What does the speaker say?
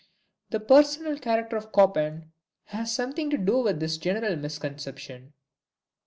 The personal character of Chopin had something to do with this general misconception.